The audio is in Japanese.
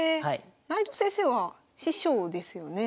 内藤先生は師匠ですよね。